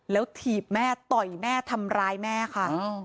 แล้วถีบแม่ต่อยแม่ทำร้ายแม่ค่ะ